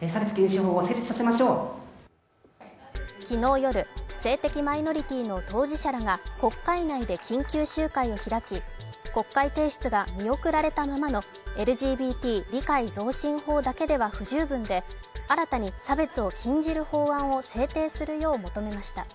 昨日夜、性的マイノリティーの当事者らが国会内で緊急集会を開き、国会提出が見送られたままのＬＧＢＴ理解増進法だけでは不十分で新たに差別を禁じる法案を制定するよう求めました。